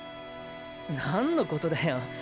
何のことだよ。